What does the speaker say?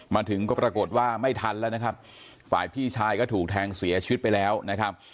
มาถึงก็ปรากฏว่าไม่ทันแล้วนะครับฝ่ายพี่ชายก็ถูกแทงเสียชีวิตไปแล้วนะครับ